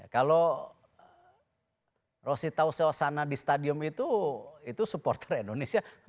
kalau rosita ososana di stadium itu itu supporter indonesia